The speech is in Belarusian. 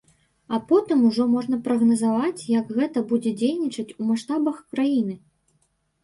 А потым ужо можна прагназаваць, як гэта будзе дзейнічаць у маштабах краіны.